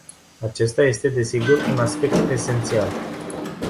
Acesta este, desigur, un aspect esențial.